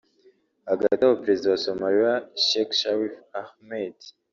Hagati aho Perezida wa Somaliya Sheikh Sharif Ahmed